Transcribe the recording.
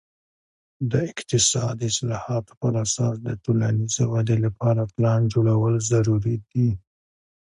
د اقتصاد د اصلاحاتو پر اساس د ټولنیزې ودې لپاره پلان جوړول ضروري دي.